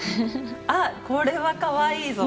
あこれはかわいいぞ！